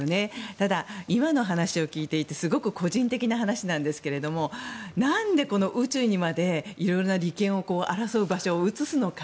ただ、今の話を聞いていてすごく個人的な話なんですがなんでこの宇宙にまで色々な利権を争う場所を移すのか。